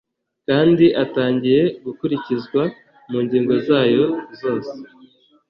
Kandi atangiye gukurikizwa mu ngingo zayo zose